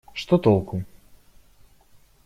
Что толку?..